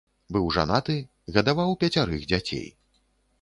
Быў жанаты, гадаваў пяцярых дзяцей.